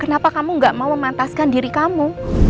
kenapa kamu gak mau memantaskan diri kamu